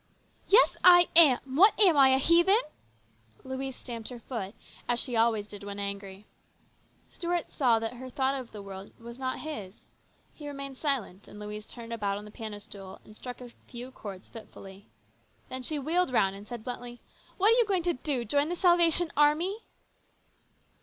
" Yes, I am ! What am I ? A heathen ?" Louise stamped her foot, as she always did when angry. Stuart saw that her thought of the word was not his. He remained silent, and Louise turned about on the piano stool and struck a few chords fitfully. Then she wheeled round and said bluntly, "What are you going to do ? Join the Salvation Army